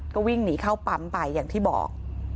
ก็วิ่งหนีเข้าปั๊มไปอย่างที่บอก